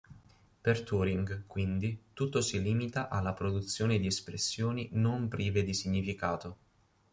Per Turing, quindi, tutto si limita alla produzione di espressioni non prive di significato.